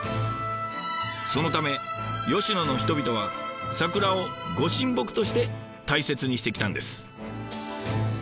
そのため吉野の人々は桜をご神木として大切にしてきたんです。